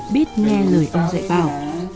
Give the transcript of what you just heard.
biết nghe lời ông dạy bảo